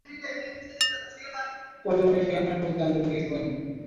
আরেক বার্তায় বাংলাদেশের স্বাধীনতাযুদ্ধে ভারতীয় শহীদ পরিবারের কতিপয় ঠিকানার খোঁজ জানতে লিখেছিলাম।